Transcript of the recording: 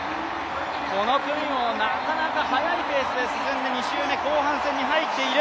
この組もなかなか速いペースで進んで、２周目、後半に入っていく。